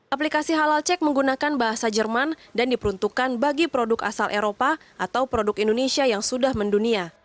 aplikasi halal cek menggunakan bahasa jerman dan diperuntukkan bagi produk asal eropa atau produk indonesia yang sudah mendunia